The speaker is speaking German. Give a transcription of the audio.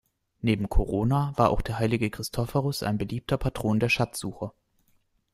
Neben Corona war auch der heilige Christophorus ein beliebter Patron der Schatzsucher.